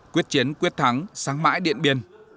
quyết chiến quyết thắng sáng mãi điện biên